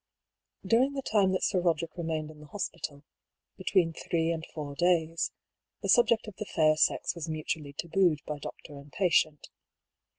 During the time that Sir Roderick remained in the hospital — between three and four days — the subject of the fair sex was mutually tabooed by doctor and patient.